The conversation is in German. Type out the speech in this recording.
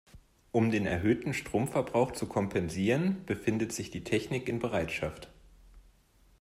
Um den erhöhten Stromverbrauch zu kompensieren befindet sich die Technik in Bereitschaft.